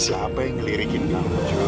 siapa yang ngelirikin kamu